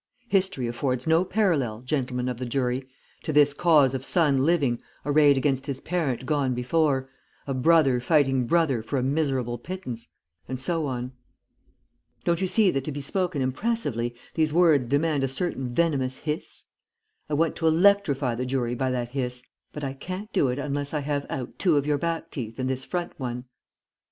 History affords no parallel, gentlemen of the jury, to this cause of son living arrayed against his parent gone before, of brother fighting brother for a miserable pittance_, and so on. Don't you see that to be spoken impressively these words demand a certain venomous hiss? I want to electrify the jury by that hiss, but I can't do it unless I have out two of your back teeth and this front one.'